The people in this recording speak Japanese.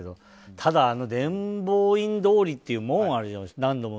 ただ伝法院通りっていう門があるじゃないですか。